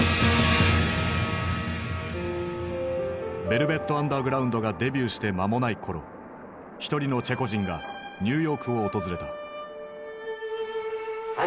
ヴェルヴェット・アンダーグラウンドがデビューして間もない頃一人のチェコ人がニューヨークを訪れた。